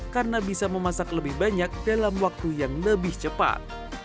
karena bisa memasak lebih banyak dalam waktu yang lebih cepat